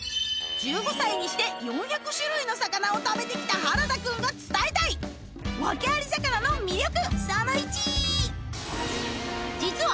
１５歳にして４００種類の魚を食べてきた原田くんが伝えたいワケアリ魚の魅力